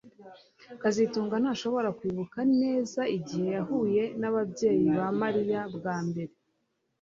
kazitunga ntashobora kwibuka neza igihe yahuye nababyeyi ba Mariya bwa mbere